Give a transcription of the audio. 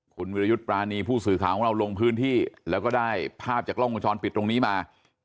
คุณวิรยุทธ์ปรานีผู้สื่อข่าวของเราลงพื้นที่แล้วก็ได้ภาพจากกล้องวงจรปิดตรงนี้มา